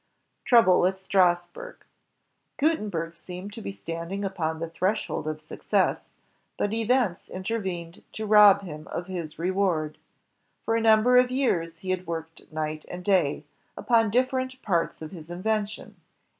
Trouble at Strassburg Gutenberg seemed to be standing upon the threshold of success, but events intervened to rob him of his reward. For a number of years he had worked night and day, upon different parts of his invention.